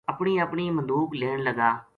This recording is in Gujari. اپنی اپنی مدوک لین لگا